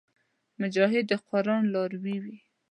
مجاهد د قران لاروي وي.